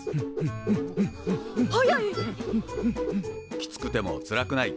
きつくてもつらくない。